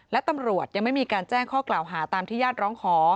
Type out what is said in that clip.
และตำรวจยังไม่มีการแจ้งข้อกล่าวหาตามที่ญาติร้องขอ